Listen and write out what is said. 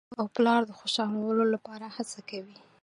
د مور او پلار د خوشحالولو لپاره هڅه کوي.